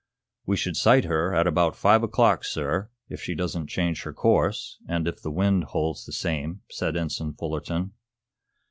"We should sight her at about five o'clock, sir, if she doesn't change her course, and if the wind holds the same," said Ensign Fullerton.